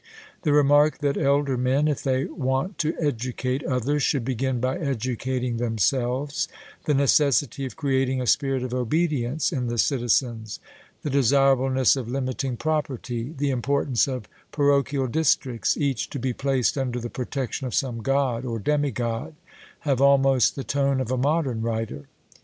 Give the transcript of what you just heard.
The remark that elder men, if they want to educate others, should begin by educating themselves; the necessity of creating a spirit of obedience in the citizens; the desirableness of limiting property; the importance of parochial districts, each to be placed under the protection of some God or demigod, have almost the tone of a modern writer.